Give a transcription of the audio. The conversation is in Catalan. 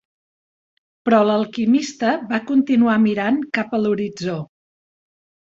Però l'alquimista va continuar mirant cap a l'horitzó.